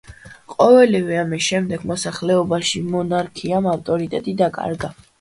ყოველივე ამის შემდეგ, მოსახლეობაში მონარქიამ ავტორიტეტი დაკარგა.